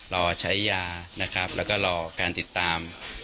รอใช้ยานะครับแล้วก็รอการติดตาม